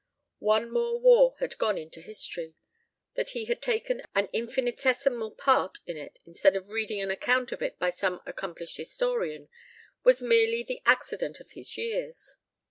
One more war had gone into history. That he had taken an infinitesimal part in it instead of reading an account of it by some accomplished historian was merely the accident of his years.